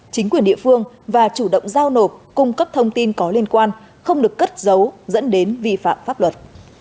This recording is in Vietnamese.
chính quyền địa phương và chủ động giao nộp cung cấp thông tin có liên quan không được cất giấu dẫn đến vi phạm pháp luật